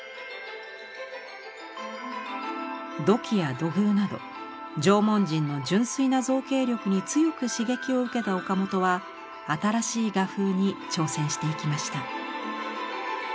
土器や土偶など縄文人の純粋な造形力に強く刺激を受けた岡本は新しい画風に挑戦していきました。